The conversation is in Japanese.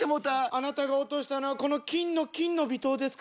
あなたが落としたのはこの金の「金の微糖」ですか？